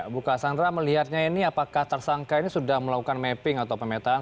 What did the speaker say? bu kassandra melihatnya ini apakah tersangka ini sudah melakukan mapping atau pemetaan